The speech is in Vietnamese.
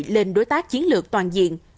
lên đối tác chiến lược toàn diện